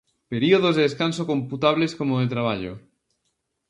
Períodos de descanso computables como de traballo.